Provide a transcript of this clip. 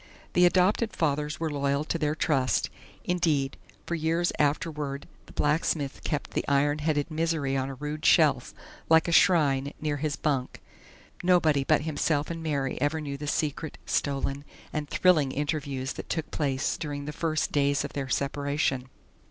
The adopted fathers were loyal to their trust. Indeed, for years afterward the blacksmith kept the iron headed Misery on a rude shelf, like a shrine, near his bunk; nobody but himself and Mary ever knew the secret, stolen, and thrilling interviews that took place during the first days of their separation.